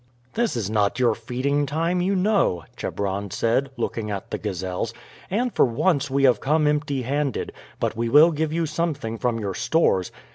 "This is not your feeding time, you know," Chebron said, looking at the gazelles, "and for once we have come empty handed; but we will give you something from your stores.